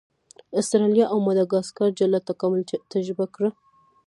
استرالیا او ماداګاسکار جلا تکامل تجربه کړ.